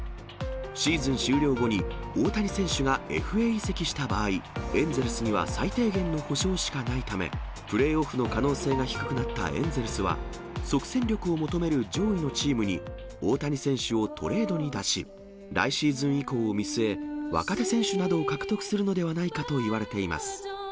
シーズン終了後に、大谷選手がＦＡ移籍した場合、エンゼルスには最低限の補償しかないため、プレーオフの可能性が低くなったエンゼルスは、即戦力を求める上位のチームに、大谷選手をトレードに出し、来シーズン以降を見据え、若手選手などを獲得するのではないかといわれています。